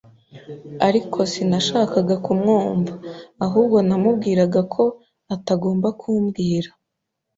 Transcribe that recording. Ariko sinashakaga kumwumva, ahubwo namubwiraga ko atagomba kumbwira